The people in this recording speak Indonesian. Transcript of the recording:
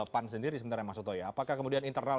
pan sendiri sebenarnya mas soto ya apakah kemudian internal